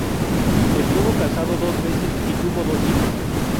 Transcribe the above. Estuvo casada dos veces y tuvo dos hijas.